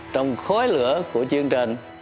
trong khói lửa của chiến tranh